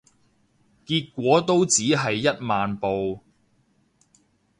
結果都只係一萬步